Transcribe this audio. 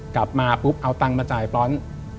กลับมาปุ๊บเอาตังค์มาจ่ายปล้น